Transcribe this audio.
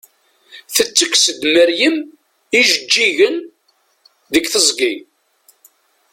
Tettekkes-d Maryem ijeǧǧigen deg teẓgi.